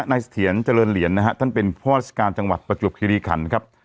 เสถียรเจริญเหรียญนะฮะท่านเป็นผู้ราชการจังหวัดประจวบคิริขันครับ